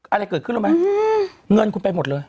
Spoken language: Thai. อะไรเกิดขึ้นรู้ไหมเงินคุณไปหมดเลย